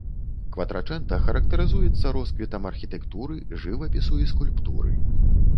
Кватрачэнта характарызуецца росквітам архітэктуры, жывапісу і скульптуры.